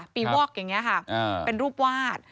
วอกอย่างนี้ค่ะเป็นรูปวาด